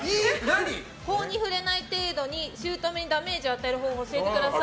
法に触れない程度に姑にダメージを与える方法を教えてください。